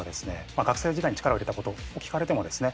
学生時代に力を入れたことを聞かれてもですね